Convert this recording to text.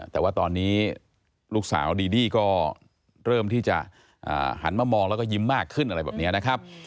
แต่ว่าตอนนี้ลูกสาวดีดี้ก็เริ่มที่จะหันมามองแล้วก็ยิ้มมากขึ้นอะไรแบบนี้นะครับ